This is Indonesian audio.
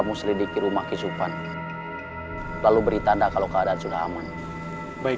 aman ki coba kamu sedikit rumah kisupan lalu beritanda kalau keadaan sudah aman baik